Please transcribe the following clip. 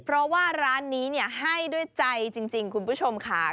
เพราะว่าร้านนี้ให้ด้วยใจจริงคุณผู้ชมค่ะ